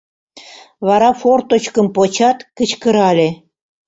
Вара форточкым почат, кычкырале: